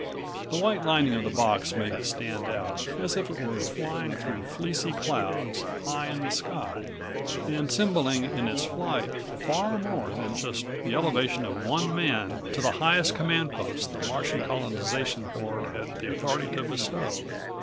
The white lining of the box made it stand out, as if it were flying through fleecy clouds high in the sky, and symboling in its flight far more than just the elevation of one man to the highest command post the Martian Colonization Board had the authority to bestow.